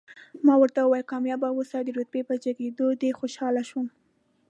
ما ورته وویل، کامیاب اوسئ، د رتبې په جګېدو دې خوشاله شوم.